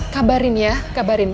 kabarin ya kabarin